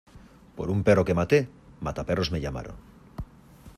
Por un perro que maté, mataperros me llamaron.